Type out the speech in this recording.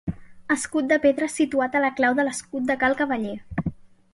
Escut de pedra situat a la clau de l'escut de Cal Cavaller.